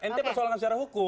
ini persoalan secara hukum